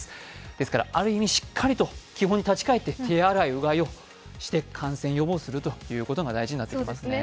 ですから、ある意味しっかりと基本に立ち返って手洗い・うがいをして感染予防するということが大事になってきますね。